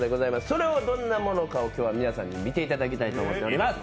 それをどんなものかを皆さんに見ていただきたいと思っております。